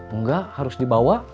enggak harus dibawa